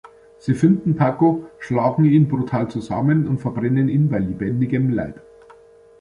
Sie finden Paco, schlagen ihn brutal zusammen und verbrennen ihn bei lebendigem Leib.